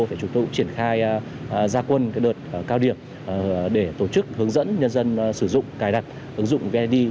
thì chúng tôi cũng triển khai gia quân đợt cao điểm để tổ chức hướng dẫn nhân dân sử dụng cài đặt ứng dụng vnd